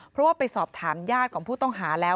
เพราะว่าไปสอบถามญาติของผู้ต้องหาแล้ว